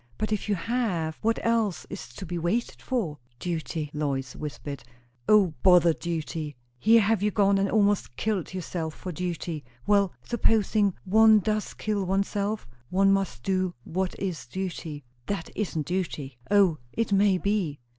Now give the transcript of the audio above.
But if you have, what else is to be waited for?" "Duty " Lois whispered. "O, bother duty! Here have you gone and almost killed yourself for duty." "Well, supposing one does kill oneself? one must do what is duty." "That isn't duty." "O, it may be."